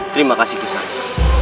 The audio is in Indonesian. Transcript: terima kasih kisah anak